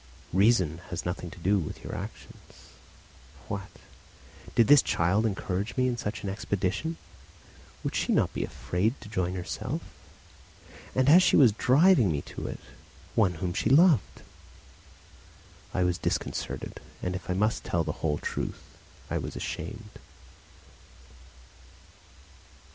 Reason has nothing to do with your actions. What! did this child encourage me in such an expedition! Would she not be afraid to join it herself? And she was driving me to it, one whom she loved! I was disconcerted, and, if I must tell the whole truth, I was ashamed.